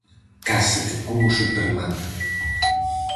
Cáseque como Superman.